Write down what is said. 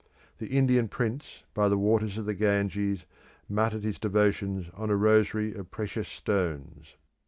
The Indian prince by the waters of the Ganges muttered his devotions on a rosary of precious stones.